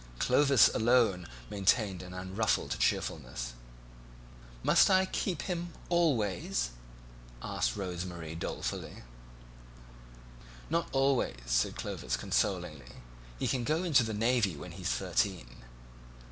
Clovis alone maintained an unruffled cheerfulness. "Must I keep him always?" asked Rose Marie dolefully. "Not always," said Clovis consolingly; "he can go into the Navy when he's thirteen."